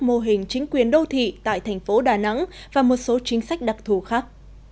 mô hình chính quyền đô thị tại thành phố đà nẵng và một số chính sách đặc thù khác